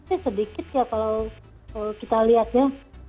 ini sedikit ya kalau kita lihatnya